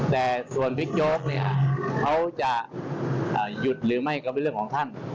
แต่ส่วนบิ๊กโจ๊กเนี่ยเขาจะหยุดหรือไม่ก็เป็นเรื่องของท่าน